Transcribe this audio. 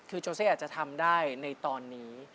คือโจเซ่อาจจะทำได้ในตอนนี้